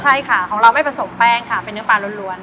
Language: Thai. ใช่ค่ะของเราไม่ผสมแป้งค่ะเป็นเนื้อปลาล้วน